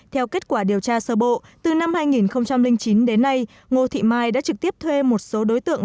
theo kết quả điều tra sơ bộ từ năm hai nghìn chín đến nay ngô thị mai đã trực tiếp thuê một số đối tượng